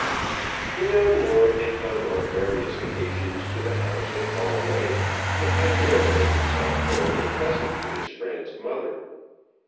The young lord had come on various occasions to the house at Holloway, and had there made himself thoroughly pleasant to his friend's mother.